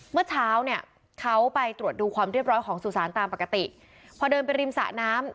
เมื่อเช้าเนี่ยเขาไปตรวจดูความเรียบร้อยของสุสานตามปกติพอเดินไปริมสระน้ำ